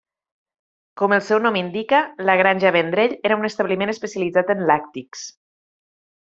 Com el seu nom indica, la Granja Vendrell era un establiment especialitzat en làctics.